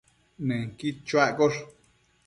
Nënquid chuaccosh